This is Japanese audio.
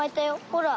ほら。